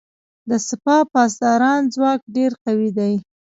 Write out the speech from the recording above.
د سپاه پاسداران ځواک ډیر قوي دی.